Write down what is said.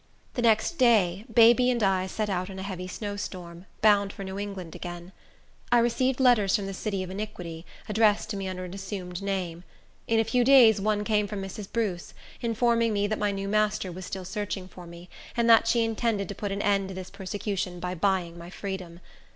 The next day, baby and I set out in a heavy snow storm, bound for New England again. I received letters from the City of Iniquity, addressed to me under an assumed name. In a few days one came from Mrs. Bruce, informing me that my new master was still searching for me, and that she intended to put an end to this persecution by buying my freedom.